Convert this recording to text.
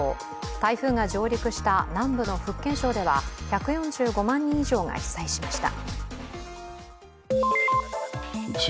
台風が上陸した南部の福建省では１４５万人以上が被災しました。